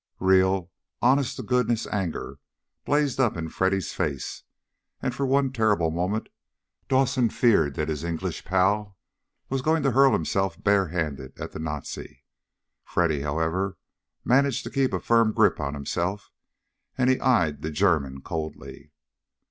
Real, honest to goodness anger blazed up in Freddy's face, and for one terrible moment Dawson feared that his English pal was going to hurl himself bare handed at the Nazi. Freddy, however, managed to keep a firm grip on himself, and he eyed the German coldly.